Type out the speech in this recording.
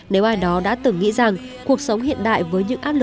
nếu ai đó đã từng nghĩ rằng cuộc sống hiện đại với những áp lực